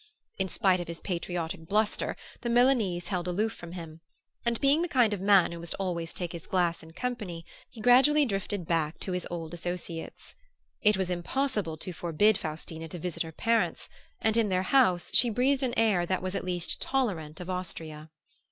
In spite of his patriotic bluster the Milanese held aloof from him; and being the kind of man who must always take his glass in company he gradually drifted back to his old associates. It was impossible to forbid Faustina to visit her parents; and in their house she breathed an air that was at least tolerant of Austria.